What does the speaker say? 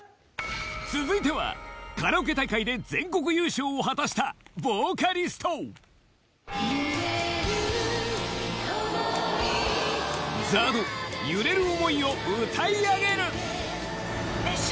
続いてはカラオケ大会で全国優勝を果たしたボーカリストを歌い上げる熱唱！